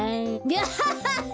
ギャハハハ。